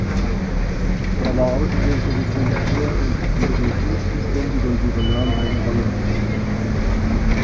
Er war außerdem für die Produktion und die Regie zuständig und übernahm eine Rollenbesetzung.